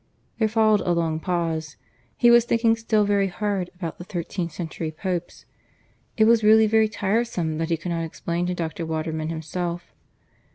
There followed a long pause. He was thinking still very hard about the thirteenth century Popes. It was really very tiresome that he could not explain to Dr. Waterman himself.